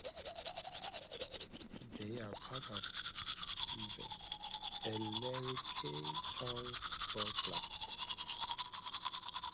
They are part of Billericay Town Football Club.